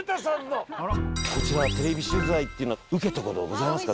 こちらテレビ取材っていうのは受けた事ございますか？